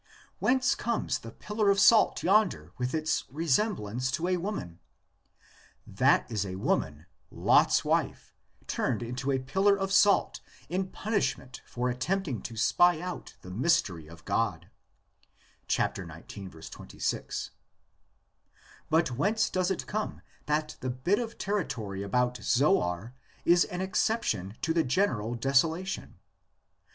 Whence comes the pillar of salt yonder with its resemblance to a woman? That is a woman, Lot's wife, turned into a pillar of salt in punishment for attempting to spy out the mystery of God (xix. 26). But whence does it come that the bit of territory about Zoar is an exception to the general desola tion?